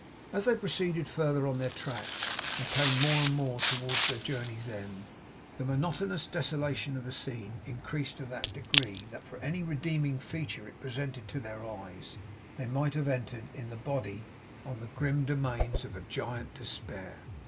As they proceeded further on their track, and came more and more towards their journey's end, the monotonous desolation of the scene increased to that degree, that for any redeeming feature it presented to their eyes, they might have entered, in the body, on the grim domains of Giant Despair.